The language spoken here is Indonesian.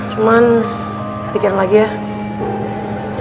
cuman pikirin lagi ya